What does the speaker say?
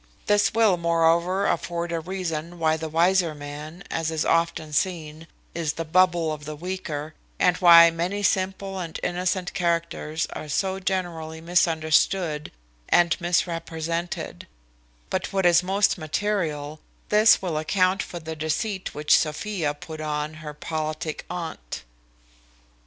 This will, moreover, afford a reason why the wiser man, as is often seen, is the bubble of the weaker, and why many simple and innocent characters are so generally misunderstood and misrepresented; but what is most material, this will account for the deceit which Sophia put on her politic aunt.